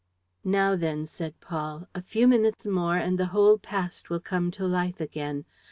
"Now, then," said Paul. "A few minutes more, and the whole past will come to life again.